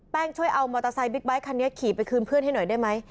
ช่วยเอามอเตอร์ไซค์บิ๊กไบท์คันนี้ขี่ไปคืนเพื่อนให้หน่อยได้ไหม